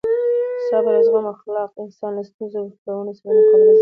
د صبر او زغم اخلاق انسان له ستونزو او کړاوونو سره مقابله زده کوي.